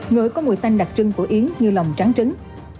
ngối có mùi tanh đặc trưng của yến như lòng trắng trứng